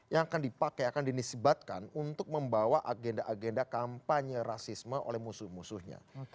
yang akan dipakai akan dinisibatkan untuk membawa agenda agenda kampanye rasisme oleh musuh musuhnya